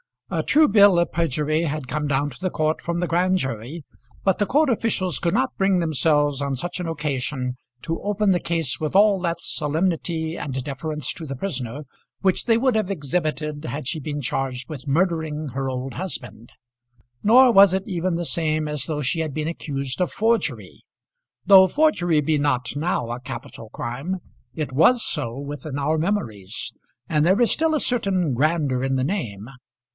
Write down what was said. A true bill of perjury had come down to the court from the grand jury, but the court officials could not bring themselves on such an occasion to open the case with all that solemnity and deference to the prisoner which they would have exhibited had she been charged with murdering her old husband. Nor was it even the same as though she had been accused of forgery. Though forgery be not now a capital crime, it was so within our memories, and there is still a certain grandeur in the name.